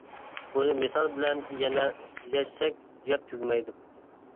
بۇنى مىسال بىلەن يەنە يەشسەك گەپ تۈگمەيدۇ.